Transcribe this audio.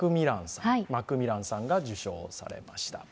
マクミランさんが受賞されました。